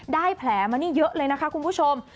แผลมานี่เยอะเลยนะคะคุณผู้ชม